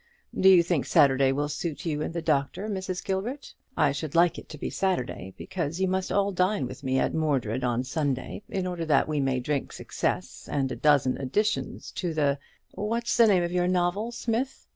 Do you think Saturday will suit you and the Doctor, Mrs. Gilbert? I should like it to be Saturday, because you must all dine with me at Mordred on Sunday, in order that we may drink success and a dozen editions to the what's the name of your novel, Smith?